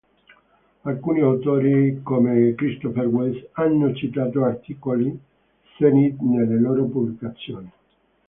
Alcuni autori come Christopher West hanno citato articoli Zenit nelle loro pubblicazioni.